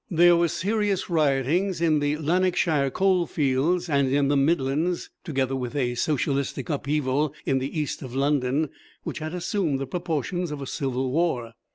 There was serious rioting in the Lanarkshire coalfields and in the Midlands, together with a Socialistic upheaval in the East of London, which had assumed the proportions of a civil war.